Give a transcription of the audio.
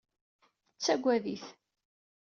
Tettagad-it.